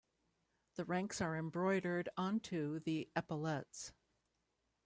The ranks are embroidered onto the epaulettes.